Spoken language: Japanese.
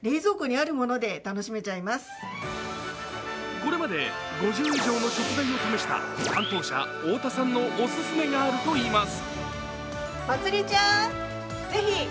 これまで５０以上の食材を試した担当者・太田さんのオススメがあるといいます。